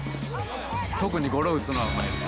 特にゴロ打つのはうまい。